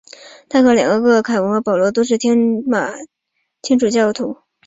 他和两个哥哥凯文与保罗都是罗马天主教徒。